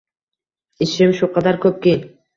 Ishim shu qadar ko‘pki!